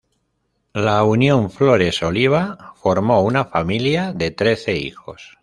La unión Flores-Oliva, formó una familia de trece hijos.